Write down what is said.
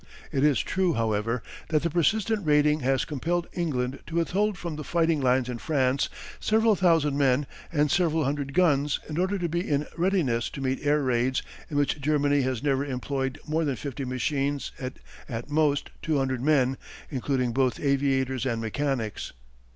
It is true, however, that the persistent raiding has compelled England to withhold from the fighting lines in France several thousand men and several hundred guns in order to be in readiness to meet air raids in which Germany has never employed more than fifty machines and at most two hundred men, including both aviators and mechanics.